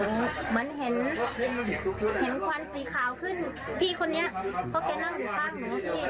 แล้วหนูเหมือนเห็นควันสีขาวขึ้นพี่คนนี้